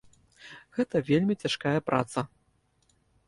Гэта вельмі цяжкая праца.